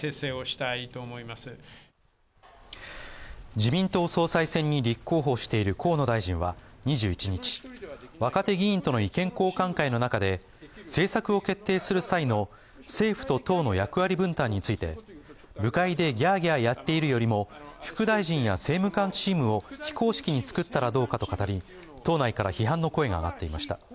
自民党総裁選に立候補している河野大臣は２１日若手議員との意見交換会の中で、政策を決定する際の政府と党の役割分担について部会でギャーギャーやっているよりも副大臣や政務官チームを非公式に作ったらどうかと語り党内から批判の声が上がっていました。